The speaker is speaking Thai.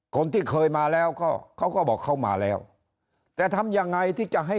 คนที่เคยมาแล้วก็เขาก็บอกเขามาแล้วแต่ทำยังไงที่จะให้